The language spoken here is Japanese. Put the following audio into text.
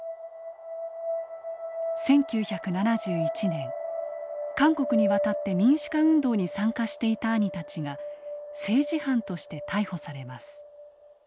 １９７１年韓国に渡って民主化運動に参加していた兄たちが政治犯として逮捕されます。